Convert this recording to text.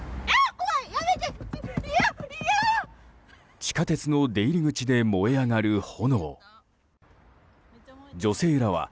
地下鉄の出入り口で燃え上がる炎。